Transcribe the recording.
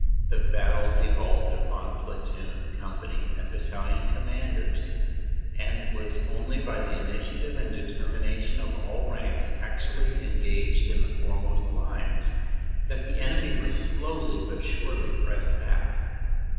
The battle devolved upon platoon, company and battalion com manders, and it was only by the initiative and determination of all ranks actually engaged in the foremost lines that the enemy was slowly but surely pressed back.